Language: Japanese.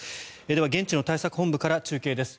では現地の対策本部から中継です。